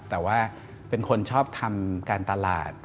แต่ว่าเป็นคนชอบทำการตลาด